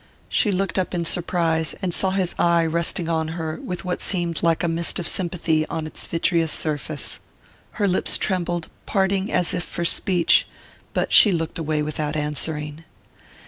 She looked up in surprise, and saw his eye resting on her with what seemed like a mist of sympathy on its vitreous surface. Her lips trembled, parting as if for speech but she looked away without answering.